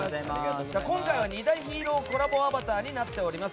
今回は２大ヒーローコラボアバターになっております。